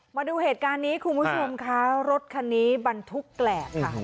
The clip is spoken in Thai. มาดูเหตุการณ์นี้คุณผู้ชมค่ะรถคันนี้บรรทุกแกรบค่ะ